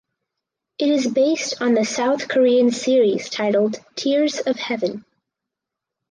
It is based on the South Korean series titled "Tears of Heaven".